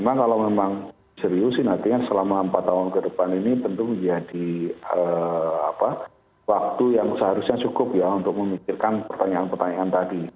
memang kalau memang seriusin artinya selama empat tahun ke depan ini tentu menjadi waktu yang seharusnya cukup ya untuk memikirkan pertanyaan pertanyaan tadi